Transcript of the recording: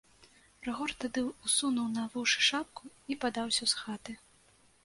Рыгор тады ўссунуў на вушы шапку і падаўся з хаты.